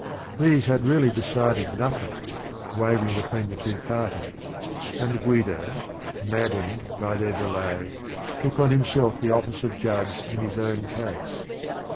These had really decided nothing, wavering between the two parties, and Guido, maddened by their delay, took on himself the office of judge in his own case.